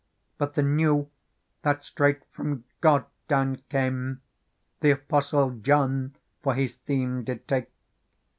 But the New, that straight from God down came. The Apostle John for his theme did take.